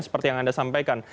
seperti yang anda sampaikan